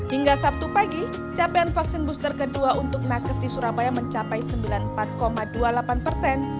hingga sabtu pagi capaian vaksin booster kedua untuk nakes di surabaya mencapai sembilan puluh empat dua puluh delapan persen